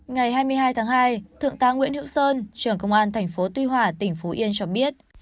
ngày hai mươi hai tháng hai thượng tá nguyễn hữu sơn trưởng công an tp tuy hỏa tỉnh phú yên cho biết